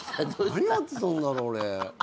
何をやってたんだろう俺。